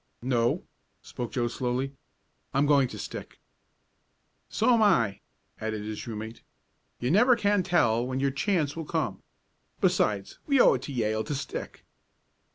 "No," spoke Joe slowly. "I'm going to stick." "So am I," added his room mate. "You never can tell when your chance will come. Besides, we owe it to Yale to stick."